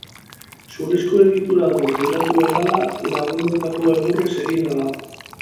Zurezko egitura du, teilatu hegala, landutako egurrez egina dago.